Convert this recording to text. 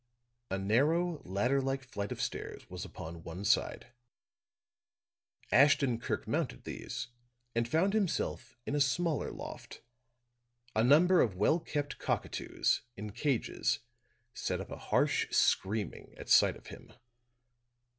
A narrow, ladder like flight of stairs was upon one side. Ashton Kirk mounted these and found himself in a smaller loft; a number of well kept cockatoos, in cages, set up a harsh screaming at sight of him.